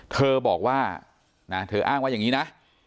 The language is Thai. เธอบอกว่านะเธออ้างว่าอย่างนี้นะ